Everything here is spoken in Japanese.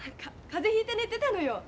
風邪ひいて寝てたのよ。